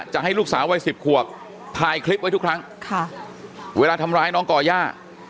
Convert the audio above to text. จะให้ลูกสาววัยสิบขวบถ่ายคลิปไว้ทุกครั้งค่ะเวลาทำร้ายน้องก่อย่า